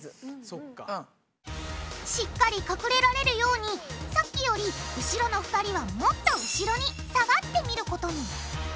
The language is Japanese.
しっかり隠れられるようにさっきより後ろの２人はもっと後ろに下がってみることに！